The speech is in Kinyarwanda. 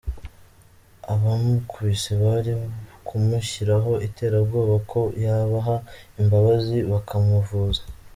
Abamukubise bari kumushyiraho iterabwoba ko yabaha imbabazi bakamuvuza.